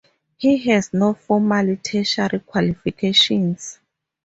He has no formal tertiary qualifications.